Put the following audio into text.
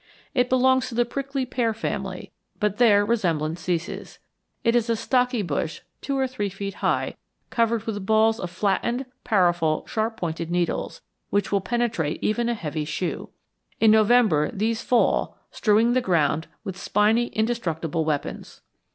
It belongs to the prickly pear family, but there resemblance ceases. It is a stocky bush two or three feet high covered with balls of flattened powerful sharp pointed needles which will penetrate even a heavy shoe. In November these fall, strewing the ground with spiny indestructible weapons.